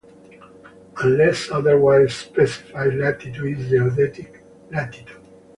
Unless otherwise specified latitude is geodetic latitude.